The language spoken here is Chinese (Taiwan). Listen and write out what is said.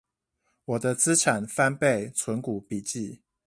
我的資產翻倍存股筆記